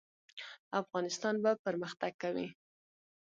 افغانستان به پرمختګ کوي